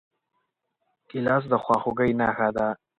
ګیلاس د خواخوږۍ نښه ده.